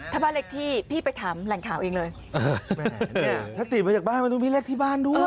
ถ้าบ้านเลขที่พี่ไปถามแหล่งข่าวเองเลยเนี่ยถ้าติดมาจากบ้านมันต้องมีเลขที่บ้านด้วย